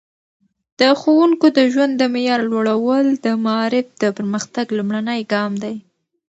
د ښوونکو د ژوند د معیار لوړول د معارف د پرمختګ لومړنی ګام دی.